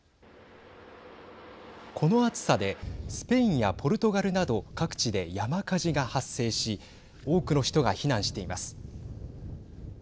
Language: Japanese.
この暑さでスペインやポルトガルなど各地で山火事が発生し多くの人が避難しています。